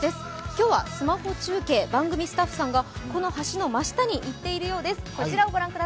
今日はスマホ中継、番組スタッフさんがこの橋の真下に行っているようです。